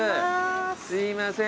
すいません